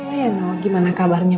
yang mengelilingi pir prioritas